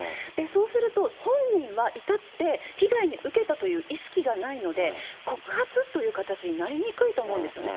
そうすると、本人は至って被害を受けたという意識がないので、告発という形になりにくいと思うんですよね。